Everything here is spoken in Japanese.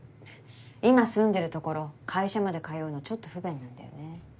今住んでるところ会社まで通うのちょっと不便なんだよね。